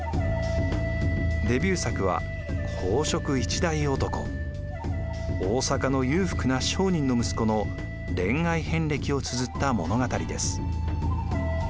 デビュー作は大坂の裕福な商人の息子の恋愛遍歴をつづった物語です。